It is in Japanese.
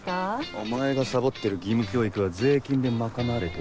お前がサボってる義務教育は税金で賄われてんだよ。